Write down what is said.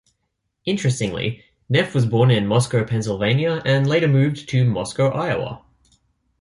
Interestingly, Neff was born in Moscow, Pennsylvania and later moved to Moscow, Iowa.